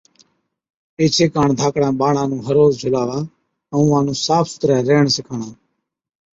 ايڇي ڪاڻ ڌاڪڙان ٻاڙان نُون هر روز جھُلاوا ائُون اُونهان نُون صاف سُٿرَي ريهڻ سِکاڻا